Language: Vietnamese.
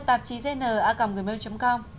tạp chí znacomnghgmail com